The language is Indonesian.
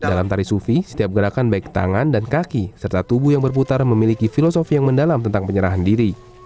dalam tari sufi setiap gerakan baik tangan dan kaki serta tubuh yang berputar memiliki filosofi yang mendalam tentang penyerahan diri